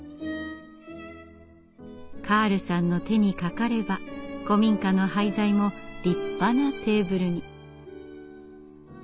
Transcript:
カールさんの手にかかれば古民家の廃材も立派なテーブルに。